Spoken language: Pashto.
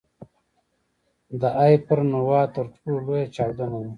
د هایپرنووا تر ټولو لویه چاودنه ده.